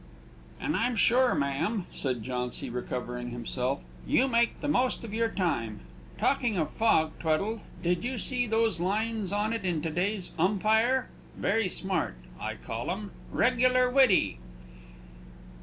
"And I'm sure, ma'am," said Jauncy, recovering himself, "you make the most of your time. Talking of fog, Tweddle, did you see those lines on it in to day's Umpire? Very smart, I call them; regular witty."